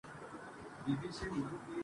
جوابوں والے سوال پوچھنا بھی زیادتی ہے